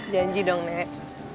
janji dong nek